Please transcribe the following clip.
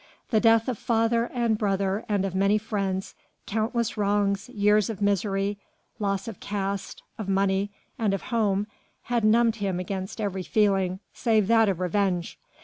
The death of father and brother and of many friends, countless wrongs, years of misery, loss of caste, of money and of home had numbed him against every feeling save that of revenge.